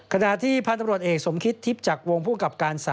ขณะที่พ่านตำรวจเอกสมคิดทิพย์จากวงผู้กับการ